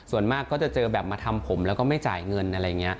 ส่วนมากก็จะเจอแบบมาทำผมแล้วก็ไม่จ่ายเงินอะไรอย่างนี้